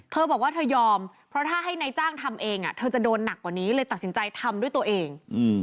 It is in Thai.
บอกว่าเธอยอมเพราะถ้าให้นายจ้างทำเองเธอจะโดนหนักกว่านี้เลยตัดสินใจทำด้วยตัวเอง